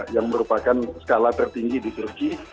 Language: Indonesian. yang merupakan skala tertinggi di turki